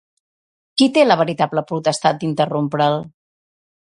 Qui té la veritable potestat d'interrompre'l?